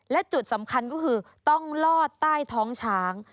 และจุดสำคัญก็คือต้องลอดใต้ท้องช้าง